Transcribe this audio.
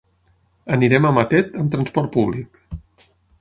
Anirem a Matet amb transport públic.